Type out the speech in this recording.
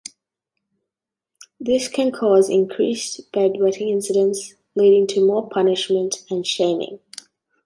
This can cause increased bedwetting incidents, leading to more punishment and shaming.